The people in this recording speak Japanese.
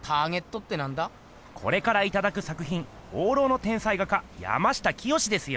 これからいただくさくひん放浪の天才画家山下清ですよ。